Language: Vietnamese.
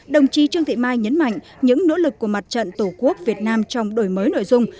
đồng chí trương thị mai nhấn mạnh những nỗ lực của mặt trận tổ quốc việt nam trong đổi mới nội dung